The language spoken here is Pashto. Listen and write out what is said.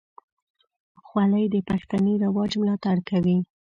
خولۍ د پښتني رواج ملاتړ کوي.